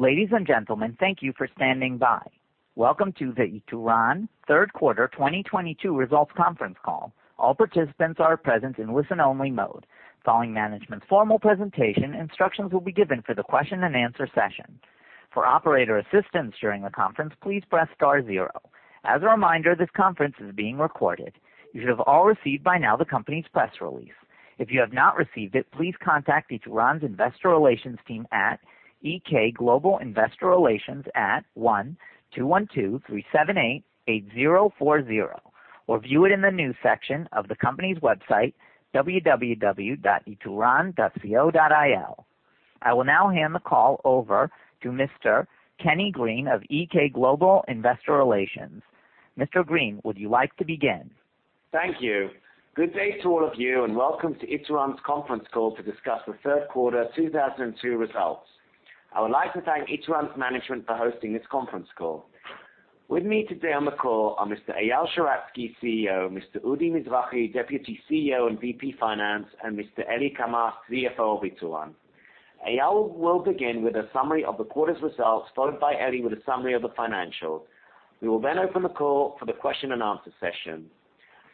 Ladies and gentlemen, thank you for standing by. Welcome to the Ituran third quarter 2022 results conference call. All participants are present in listen-only mode. Following management's formal presentation, instructions will be given for the question-and-answer session. For operator assistance during the conference, please press star zero. As a reminder, this conference is being recorded. You should have all received by now the company's press release. If you have not received it, please contact Ituran's investor relations team at EK Global Investor Relations at 12123788040, or view it in the news section of the company's website, www.ituran.co.il. I will now hand the call over to Mr. Kenny Green of EK Global Investor Relations. Mr. Green, would you like to begin? Thank you. Good day to all of you, welcome to Ituran's conference call to discuss the third quarter 2022 results. I would like to thank Ituran's management for hosting this conference call. With me today on the call are Mr. Eyal Sheratzky, CEO, Mr. Udi Mizrahi, Deputy CEO and VP Finance, and Mr. Eli Kamer, CFO of Ituran. Eyal will begin with a summary of the quarter's results, followed by Eli with a summary of the financials. We will open the call for the question-and-answer session.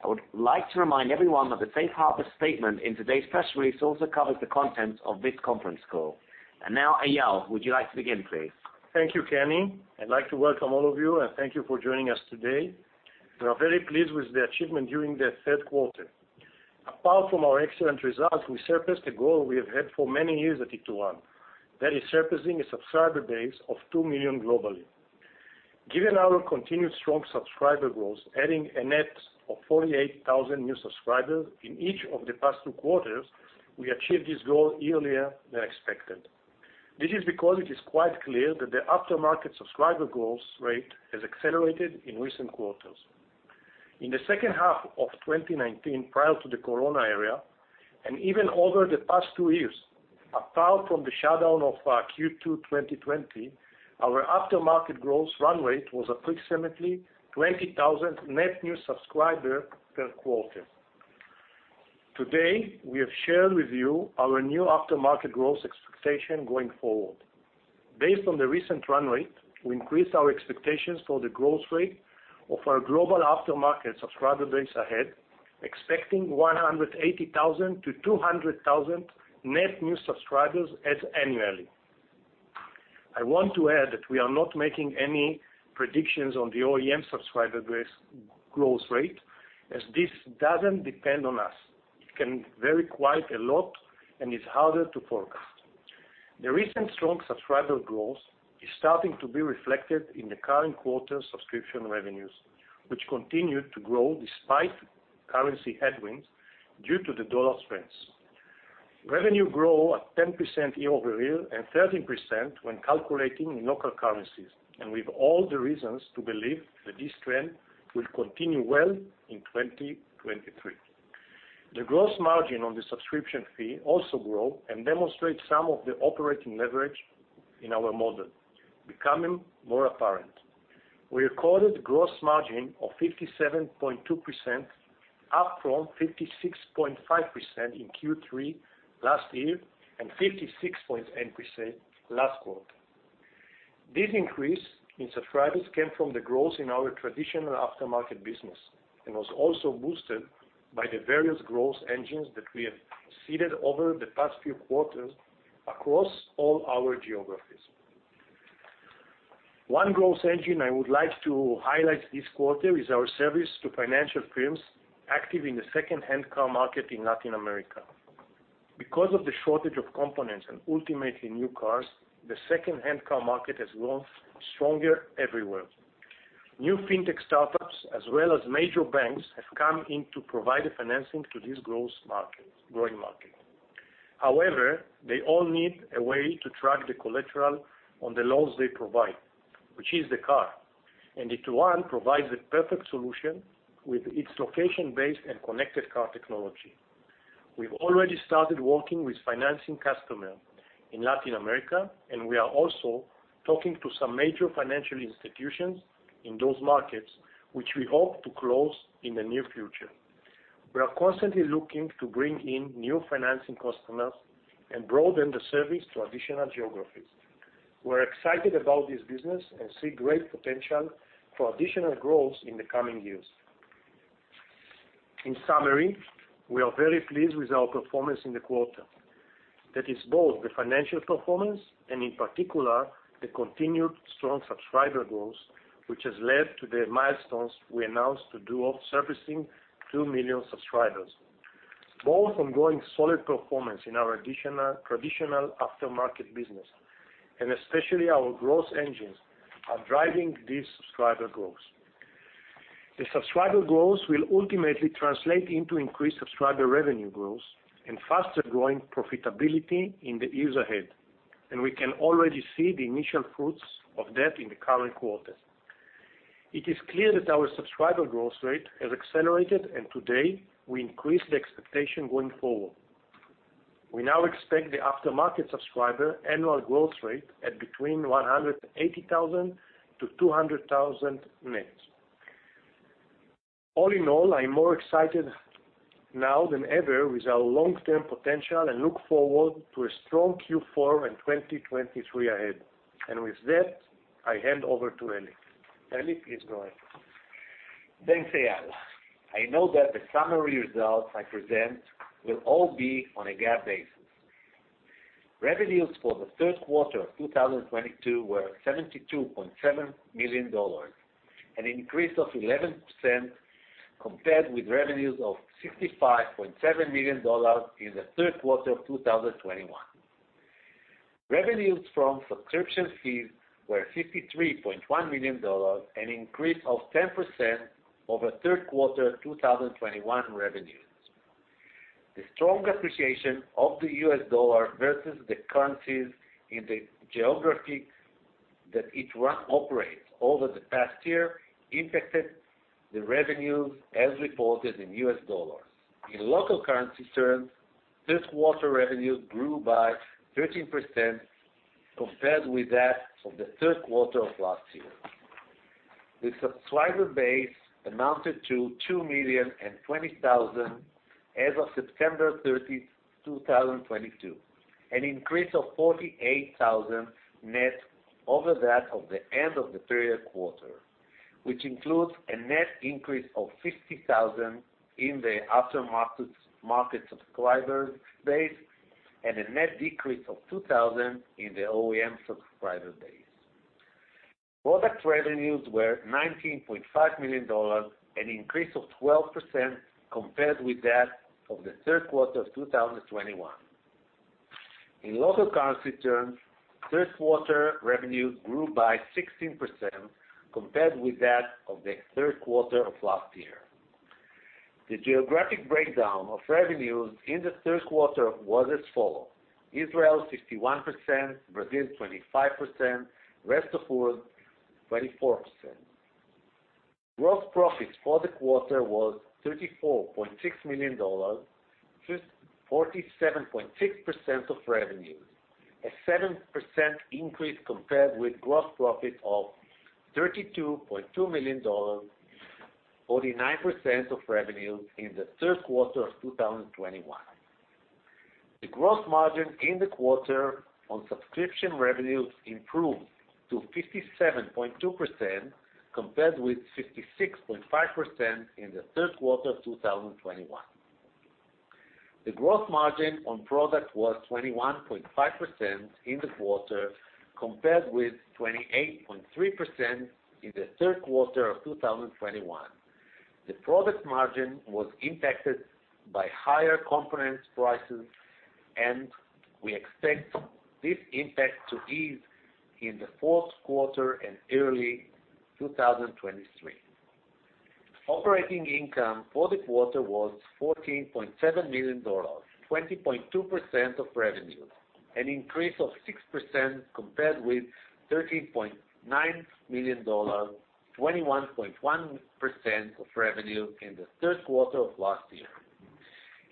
I would like to remind everyone that the safe harbor statement in today's press release also covers the content of this conference call. Now, Eyal, would you like to begin, please? Thank you, Kenny. I'd like to welcome all of you, and thank you for joining us today. We are very pleased with the achievement during the third quarter. Apart from our excellent results, we surpassed a goal we have had for many years at Ituran, that is surpassing a subscriber base of 2 million globally. Given our continued strong subscriber growth, adding a net of 48,000 new subscribers in each of the past two quarters, we achieved this goal earlier than expected. This is because it is quite clear that the aftermarket subscriber growth rate has accelerated in recent quarters. In the second half of 2019, prior to the corona era, and even over the past two years, apart from the shutdown of Q2 2020, our aftermarket growth run rate was approximately 20,000 net new subscriber per quarter. Today, we have shared with you our new aftermarket growth expectation going forward. Based on the recent run rate, we increased our expectations for the growth rate of our global aftermarket subscriber base ahead, expecting 180,000-200,000 net new subscribers annually. I want to add that we are not making any predictions on the OEM subscriber base growth rate, as this doesn't depend on us. It can vary quite a lot and is harder to forecast. The recent strong subscriber growth is starting to be reflected in the current quarter subscription revenues, which continued to grow despite currency headwinds due to the dollar's strengths. Revenue grew at 10% year-over-year and 13% when calculating in local currencies, and we've all the reasons to believe that this trend will continue well in 2023. The gross margin on the subscription fee also grow and demonstrate some of the operating leverage in our model becoming more apparent. We recorded gross margin of 57.2%, up from 56.5% in Q3 last year and 56.8% last quarter. This increase in subscribers came from the growth in our traditional aftermarket business and was also boosted by the various growth engines that we have seeded over the past few quarters across all our geographies. One growth engine I would like to highlight this quarter is our service to financial firms active in the second-hand car market in Latin America. Because of the shortage of components and ultimately new cars, the second-hand car market has grown stronger everywhere. New fintech startups as well as major banks have come in to provide the financing to this growing market. They all need a way to track the collateral on the loans they provide, which is the car, and Ituran provides the perfect solution with its location-based and connected car technology. We've already started working with financing customer in Latin America, and we are also talking to some major financial institutions in those markets, which we hope to close in the near future. We are constantly looking to bring in new financing customers and broaden the service to additional geographies. We're excited about this business and see great potential for additional growth in the coming years. In summary, we are very pleased with our performance in the quarter. That is both the financial performance and in particular, the continued strong subscriber growth, which has led to the milestones we announced to do of servicing 2 million subscribers. Both ongoing solid performance in our traditional aftermarket business, and especially our growth engines, are driving this subscriber growth. The subscriber growth will ultimately translate into increased subscriber revenue growth and faster-growing profitability in the years ahead. We can already see the initial fruits of that in the current quarter. It is clear that our subscriber growth rate has accelerated. Today, we increased the expectation going forward. We now expect the aftermarket subscriber annual growth rate at between 180,000-200,000 net. All in all, I'm more excited now than ever with our long-term potential and look forward to a strong Q4 and 2023 ahead. With that, I hand over to Eli. Eli, please go ahead. Thanks, Eyal. I know that the summary results I present will all be on a GAAP basis. Revenues for the third quarter of 2022 were $72.7 million, an increase of 11% compared with revenues of $65.7 million in the third quarter of 2021. Revenues from subscription fees were $53.1 million, an increase of 10% over third quarter 2021 revenues. The strong appreciation of the U.S. dollar versus the currencies in the geographic that each one operates over the past year impacted the revenues as reported in U.S. dollars. In local currency terms, third quarter revenues grew by 13% compared with that of the third quarter of last year. The subscriber base amounted to 2,020,000 as of September 30, 2022, an increase of 48,000 net over that of the end of the period quarter, which includes a net increase of 50,000 in the aftermarket subscriber base and a net decrease of 2,000 in the OEM subscriber base. Product revenues were $19.5 million, an increase of 12% compared with that of the third quarter of 2021. In local currency terms, third quarter revenues grew by 16% compared with that of the third quarter of last year. The geographic breakdown of revenues in the third quarter was as follows: Israel 61%, Brazil 25%, rest of world 24%. Gross profits for the quarter was $34.6 million, 47.6% of revenue, a 7% increase compared with gross profit of $32.2 million, 49% of revenue in the third quarter of 2021. The gross margin in the quarter on subscription revenues improved to 57.2% compared with 56.5% in the third quarter of 2021. The gross margin on product was 21.5% in the quarter, compared with 28.3% in the third quarter of 2021. The product margin was impacted by higher component prices, and we expect this impact to ease in the fourth quarter and early 2023. Operating income for the quarter was $14.7 million, 20.2% of revenue, an increase of 6% compared with $13.9 million, 21.1% of revenue in the third quarter of last year.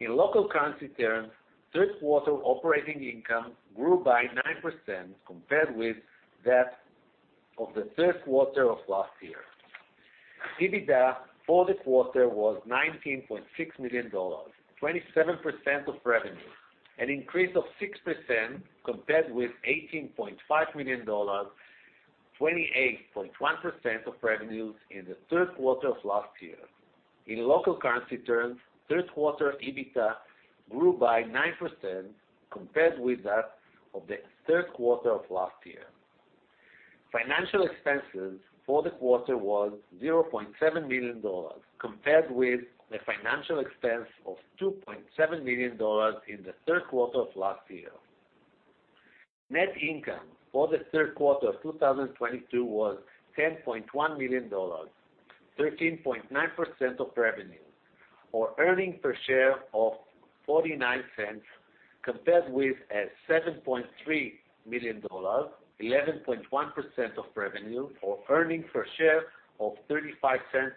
In local currency terms, third quarter operating income grew by 9% compared with that of the third quarter of last year. EBITDA for the quarter was $19.6 million, 27% of revenue, an increase of 6% compared with $18.5 million, 28.1% of revenue in the third quarter of last year. In local currency terms, third quarter EBITDA grew by 9% compared with that of the third quarter of last year. Financial expenses for the quarter was $0.7 million, compared with the financial expense of $2.7 million in the third quarter of last year. Net income for the third quarter of 2022 was $10.1 million, 13.9% of revenue, or earnings per share of $0.49, compared with $7.3 million, 11.1% of revenue, or earnings per share of $0.35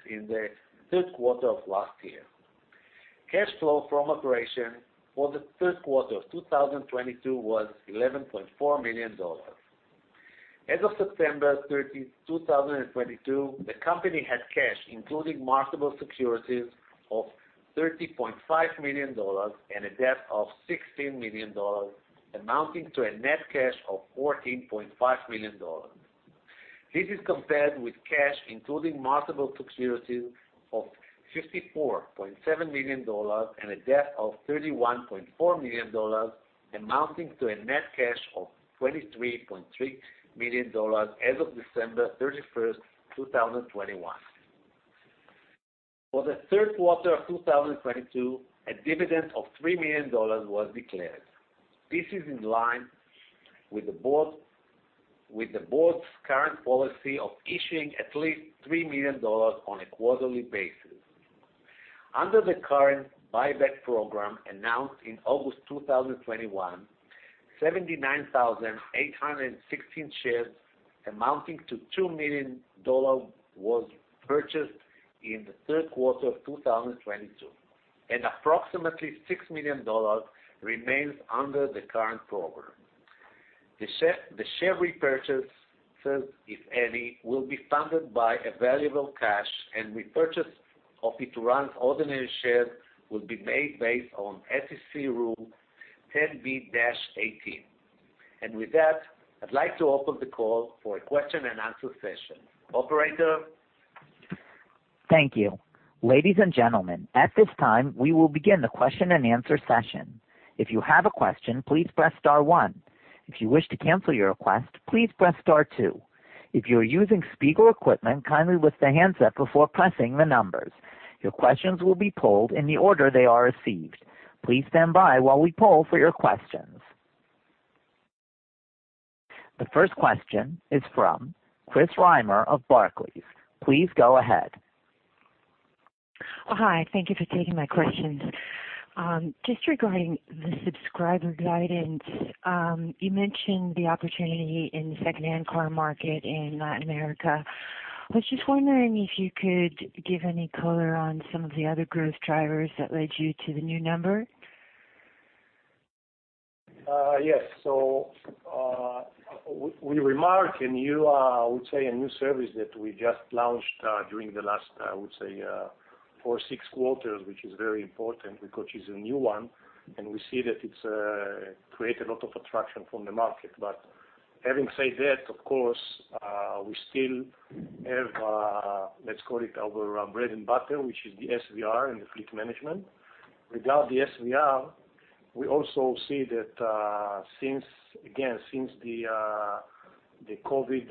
in the third quarter of last year. Cash flow from operation for the third quarter of 2022 was $11.4 million. As of September 30, 2022, the company had cash, including marketable securities, of $30.5 million and a debt of $16 million, amounting to a net cash of $14.5 million. This is compared with cash, including marketable securities, of $54.7 million and a debt of $31.4 million, amounting to a net cash of $23.3 million as of December 31st, 2021. For the third quarter of 2022, a dividend of $3 million was declared. This is in line with the board's current policy of issuing at least $3 million on a quarterly basis. Under the current buyback program announced in August 2021, 79,816 shares amounting to $2 million was purchased in the third quarter of 2022, and approximately $6 million remains under the current program. The share repurchases, if any, will be funded by available cash, and repurchase of Ituran's ordinary shares will be made based on SEC Rule 10b-18. With that, I'd like to open the call for a question-and-answer session. Operator? Thank you. Ladies and gentlemen, at this time, we will begin the question-and-answer session. If you have a question, please press star one. If you wish to cancel your request, please press star two. If you are using speaker equipment, kindly lift the handset before pressing the numbers. Your questions will be polled in the order they are received. Please stand by while we poll for your questions. The first question is from Chris Reimer of Barclays. Please go ahead. Hi, thank you for taking my questions. Just regarding the subscriber guidance, you mentioned the opportunity in the secondhand car market in Latin America. I was just wondering if you could give any color on some of the other growth drivers that led you to the new number. Yes. We remark a new, I would say a new service that we just launched during the last, I would say, four, six quarters, which is very important because it's a new one, and we see that it's create a lot of attraction from the market. Having said that, of course, we still have, let's call it our bread and butter, which is the SVR and the fleet management. Regarding the SVR, we also see that since again, since the COVID,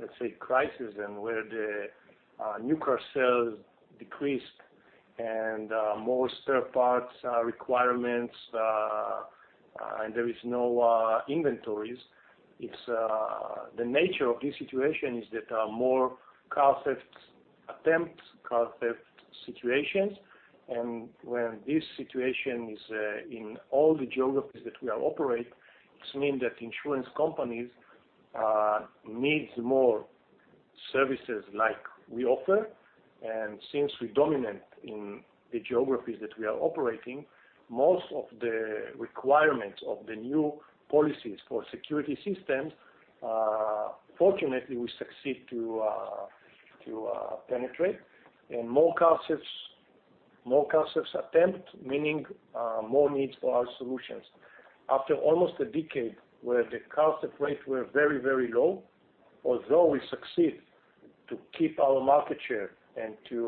let's say, crisis and where the new car sales decreased and more spare parts requirements and there is no inventories, it's the nature of this situation is that there are more car theft attempts, car theft situations. Where this situation is in all the geographies that we are operate, it's mean that insurance companies needs more services like we offer. Since we dominant in the geographies that we are operating, most of the requirements of the new policies for security systems, fortunately, we succeed to penetrate. More car thefts, more car thefts attempt, meaning, more needs for our solutions. After almost a decade where the car theft rates were very, very low, although we succeed to keep our market share and to,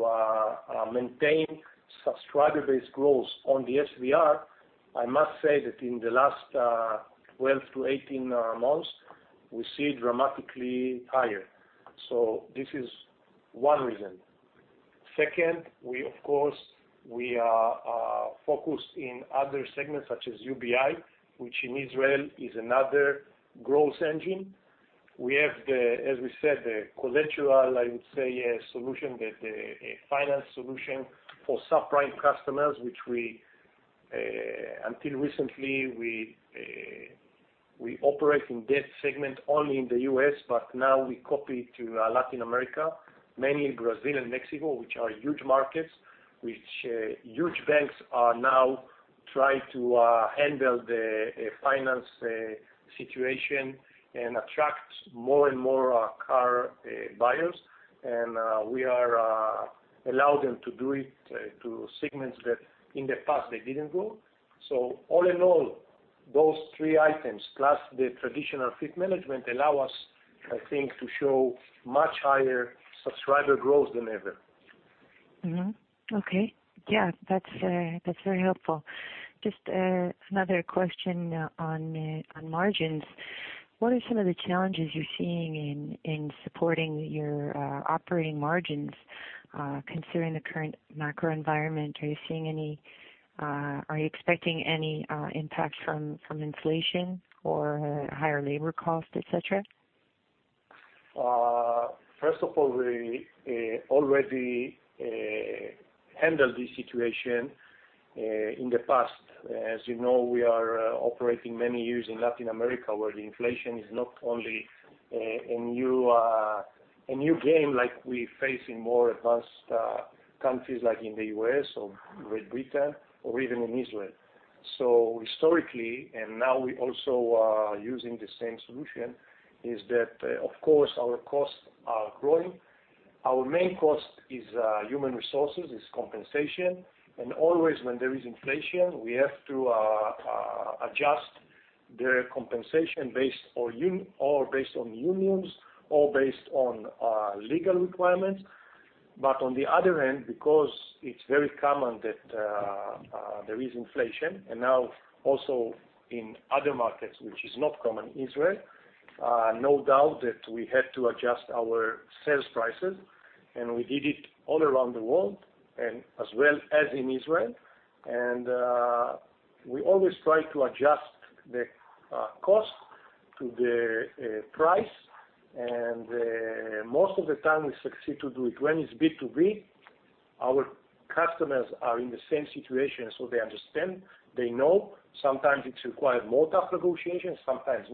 maintain subscriber-based growth on the SVR, I must say that in the last, 12 to 18 months, we see it dramatically higher. This is one reason. Second, we of course, we are focused in other segments such as UBI, which in Israel is another growth engine. We have the, as we said, the collateral, I would say, solution that, a finance solution for subprime customers, which we, until recently, we operate in that segment only in the U.S., but now we copy to Latin America, mainly Brazil and Mexico, which are huge markets, which, huge banks are now trying to handle the finance situation and attract more and more car buyers. We are allow them to do it to segments that in the past they didn't go. All in all, those three items, plus the traditional fleet management, allow us, I think, to show much higher subscriber growth than ever. Okay. Yeah, that's very helpful. Just, another question, on margins. What are some of the challenges you're seeing in supporting your, operating margins, considering the current macro environment? Are you expecting any, impact from inflation or higher labor costs, et cetera? First of all, we already handled this situation in the past. As you know, we are operating many years in Latin America, where the inflation is not only a new game like we face in more advanced countries like in the U.S. or Great Britain or even in Israel. Historically, and now we also are using the same solution, is that, of course, our costs are growing. Our main cost is human resources, is compensation. Always, when there is inflation, we have to adjust the compensation based or based on unions or based on legal requirements. On the other hand, because it's very common that there is inflation, and now also in other markets, which is not common in Israel, no doubt that we had to adjust our sales prices, and we did it all around the world and as well as in Israel. We always try to adjust the cost to the price. Most of the time we succeed to do it. When it's B2B, our customers are in the same situation, so they understand, they know. Sometimes it require more tough negotiations, sometimes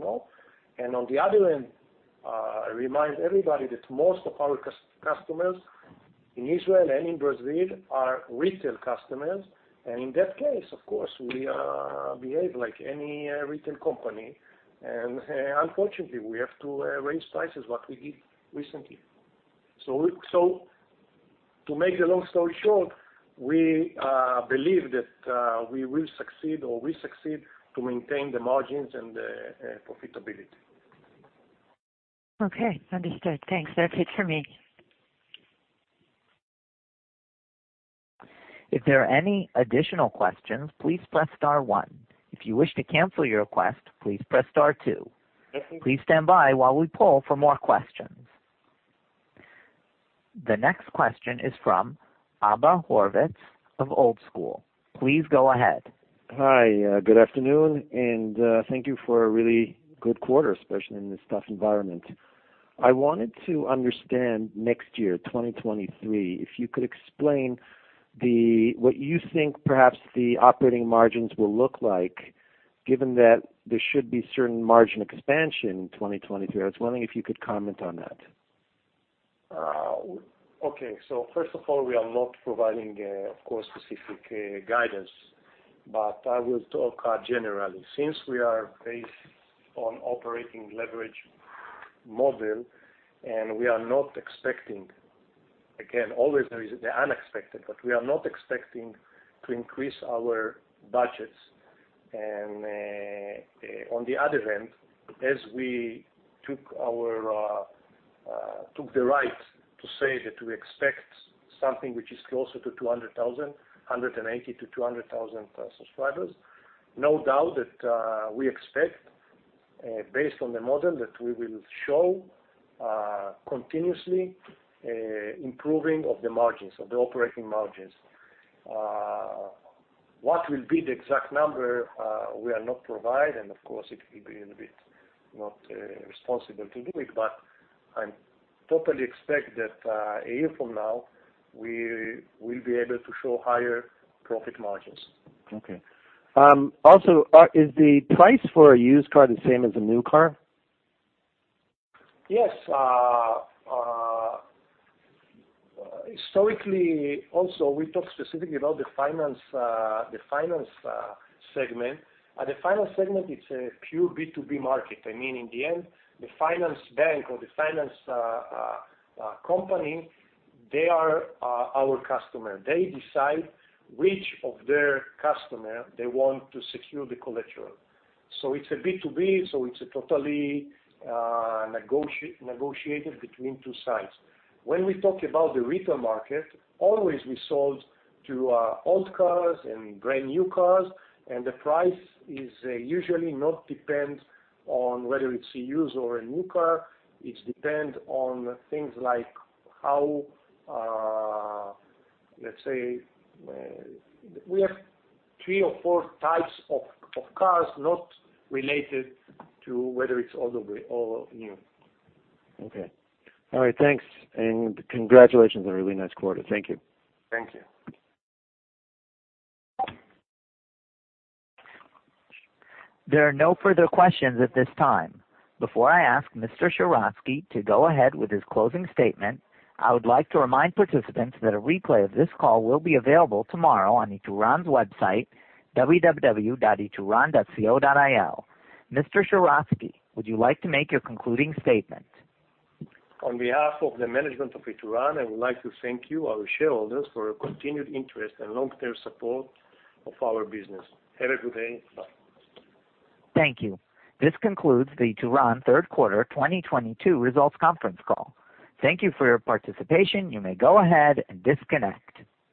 no. On the other hand, I remind everybody that most of our customers in Israel and in Brazil are retail customers. In that case, of course, we behave like any retail company. Unfortunately, we have to raise prices, what we did recently. To make the long story short, we believe that we will succeed or we succeed to maintain the margins and profitability. Okay, understood. Thanks. That's it for me. If there are any additional questions, please press star one. If you wish to cancel your request, please press star two. Please stand by while we poll for more questions. The next question is from Abba Horovitz of Old School. Please go ahead. Hi. Good afternoon. Thank you for a really good quarter, especially in this tough environment. I wanted to understand next year, 2023, if you could explain what you think perhaps the operating margins will look like, given that there should be certain margin expansion in 2023. I was wondering if you could comment on that. Okay. First of all, we are not providing, of course, specific guidance, but I will talk generally. Since we are based on operating leverage model, and we are not expecting, again, always there is the unexpected, but we are not expecting to increase our budgets. On the other end, as we took the right to say that we expect something which is closer to 200,000, 180,000-200,000 subscribers, no doubt that we expect, based on the model that we will show, continuously improving of the margins, of the operating margins. What will be the exact number, we are not provide, and of course, it will be a little bit not responsible to do it, but I'm totally expect that a year from now, we will be able to show higher profit margins. Okay. Also, is the price for a used car the same as a new car? Yes. historically, also, we talked specifically about the finance, the finance, segment. At the finance segment, it's a pure B2B market. I mean, in the end, the finance bank or the finance, company, they are our customer. They decide which of their customer they want to secure the collateral. So it's a B2B, so it's a totally negotiated between two sides. When we talk about the retail market, always we sold to, old cars and brand new cars, and the price is usually not depend on whether it's a used or a new car. It depend on things like how, let's say. We have three or four types of cars not related to whether it's old or new. Okay. All right, thanks. Congratulations on a really nice quarter. Thank you. Thank you. There are no further questions at this time. Before I ask Mr. Sheratzky to go ahead with his closing statement, I would like to remind participants that a replay of this call will be available tomorrow on our Ituran's website, www.ituran.co.il. Mr. Sheratzky, would you like to make your concluding statement? On behalf of the management of Ituran, I would like to thank you, our shareholders, for your continued interest and long-term support of our business. Have a good day. Bye. Thank you. This concludes the Ituran third quarter 2022 results conference call. Thank you for your participation. You may go ahead and disconnect.